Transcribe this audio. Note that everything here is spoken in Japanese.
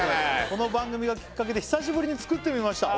「この番組がきっかけで久しぶりに作ってみました」